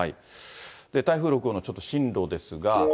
台風６号のちょっと進路です